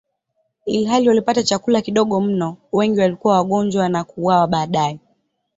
Ilhali walipata chakula kidogo mno, wengi walikuwa wagonjwa na kuuawa baadaye.